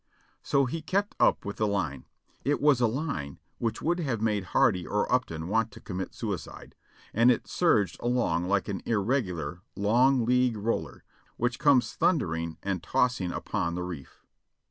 So he kept up with the line. It was a line which would have made Hardie or Upton want to commit suicide; and it surged along like an irregular, long league roller which comes thundering and tossing upon the reef.